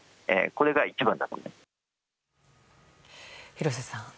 廣瀬さん。